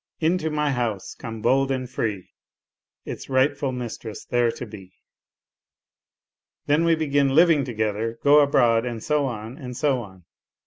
' Into my house come bold and free, Its rightful mistress there to be.' " Then we begin living together, go abroad and so on, and so on.